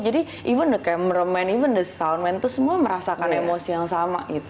jadi even the cameraman even the sound man tuh semua merasakan emosi yang sama gitu